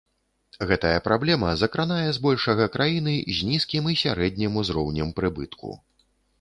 Гэтая праблема закранае збольшага краіны з нізкім і сярэднім узроўнем прыбытку.